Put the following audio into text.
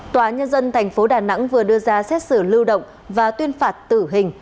tòa nhân dân tp đà nẵng vừa đưa ra xét xử lưu động và tuyên phạt tử hình